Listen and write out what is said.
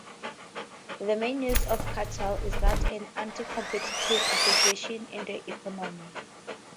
The main use of ‘cartel’ is that of an anticompetitive association in the economy.